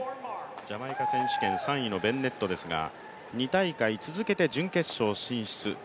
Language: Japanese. ジャマイカ選手権３位のベンネットですが、２大会続けて準決勝進出。